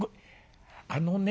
あのね